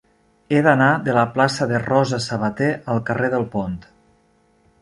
He d'anar de la plaça de Rosa Sabater al carrer del Pont.